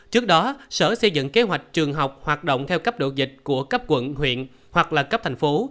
trước đó sở xây dựng kế hoạch trường học hoạt động theo cấp độ dịch của cấp quận huyện hoặc là cấp thành phố